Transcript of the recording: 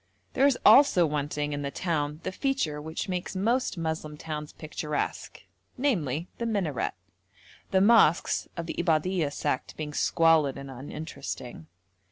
There is also wanting in the town the feature which makes most Moslem towns picturesque, namely the minaret; the mosques of the Ibadhuyah sect being squalid and uninteresting.